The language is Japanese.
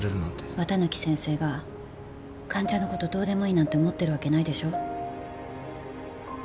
綿貫先生が患者のことどうでもいいなんて思ってるわけないでしょ。